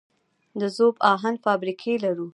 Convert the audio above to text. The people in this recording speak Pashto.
د ذوب اهن فابریکې لرو؟